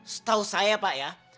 setahu saya pak ya